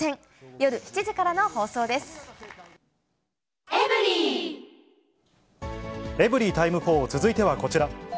夜７時からの放送でエブリィタイム４、続いてはこちら。